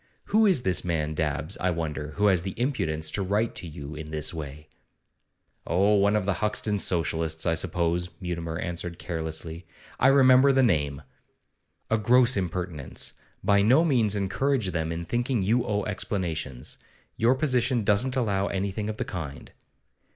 Who is this man Dabbs, I wonder, who has the impudence to write to you in this way?' 'Oh, one of the Hoxton Socialists, I suppose,' Mutimer answered carelessly. 'I remember the name.' 'A gross impertinence! By no means encourage them in thinking you owe explanations. Your position doesn't allow anything of the kind.